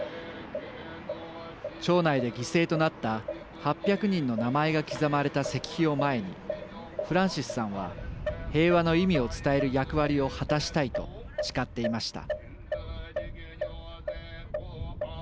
町内で犠牲となった８００人の名前が刻まれた石碑を前にフランシスさんは平和の意味を伝える役割を果たしたいと誓っていました。